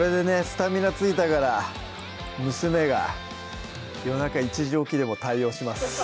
スタミナついたから娘が夜中１時起きでも対応します